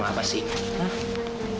oh apa sih